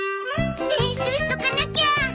練習しとかなきゃ！